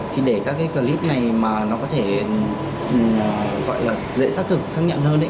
thì để các cái clip này mà nó có thể gọi là dễ xác thực xác nhận hơn